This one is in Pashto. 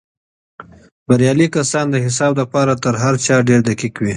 بريالي کسان د حساب دپاره تر هر چا ډېر دقیق وي.